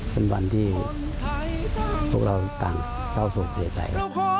เป็นวันที่พวกเราต่างเศร้าโศกเสียใจ